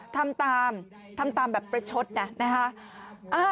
ทำตามทำตามแบบประชดนะนะคะ